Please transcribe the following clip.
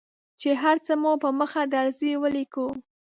چې هر څه مو په مخه درځي ولیکو.